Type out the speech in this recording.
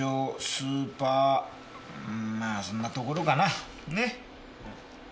スーパーうんまぁそんなところかな？ね。